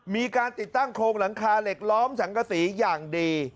มีการติดตั้งโครงหลังคาเหล็กล้อมสังกษีอย่างดี